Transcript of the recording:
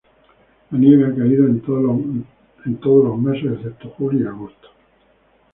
La nieve ha caído en todos los meses excepto julio y agosto.